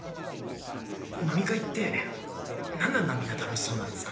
飲み会って何であんなみんな楽しそうなんですかね？